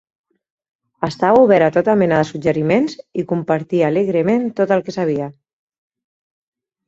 Estava obert a tota mena de suggeriments i compartia alegrement tot el que sabia.